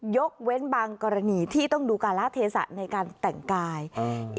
ยกเว้นบางกรณีที่ต้องดูการละเทศะในการแต่งกายอืม